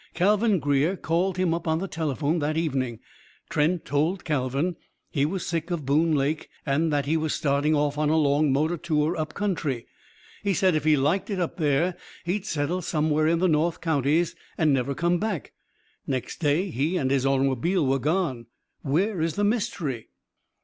Calvin Greer called him up on the telephone that evening. Trent told Calvin he was sick of Boone Lake and that he was starting off on a long motor tour up country. He said if he liked it up there he'd settle somewhere in the north counties and never come back. Next day he and his automobile were gone. Where is the mystery?"